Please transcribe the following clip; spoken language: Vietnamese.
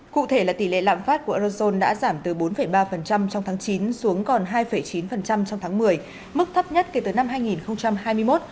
cụ thể là tỷ lệ lạm phát của eurozone đã giảm từ bốn ba trong tháng chín xuống còn hai chín trong tháng một mươi mức thấp nhất kể từ năm hai nghìn hai mươi một